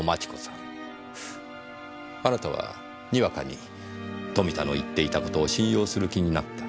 あなたはにわかに富田の言っていた事を信用する気になった。